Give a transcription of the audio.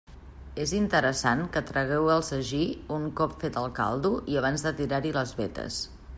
És interessant que tragueu el sagí un cop fet el caldo i abans de tirar-hi les vetes.